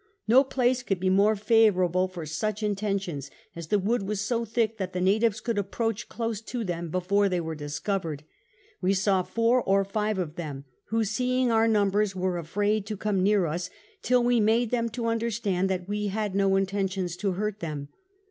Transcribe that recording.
No place could be more favourable for such intentions ; as the wood was so thick that the Natives could approch close to them before they were discover'd. We sJiw 4 or 5 of them, who seeing our numbers were afraid to come near us till we made them to understand we had no inten tions to hurt them.